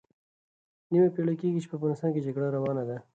نیمه پېړۍ کېږي چې په افغانستان کې جګړه روانه ده.